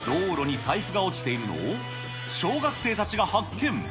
道路に財布が落ちているのを、小学生たちが発見。